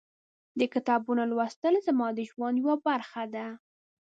د کتابونو لوستل زما د ژوند یوه برخه ده.